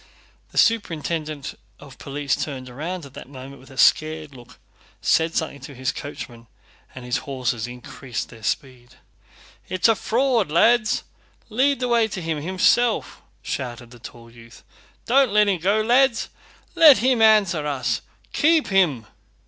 The superintendent of police turned round at that moment with a scared look, said something to his coachman, and his horses increased their speed. "It's a fraud, lads! Lead the way to him, himself!" shouted the tall youth. "Don't let him go, lads! Let him answer us! Keep him!"